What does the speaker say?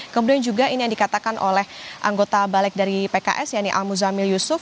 kemudian juga ini yang dikatakan oleh anggota balik dari pks yani al muzamil yusuf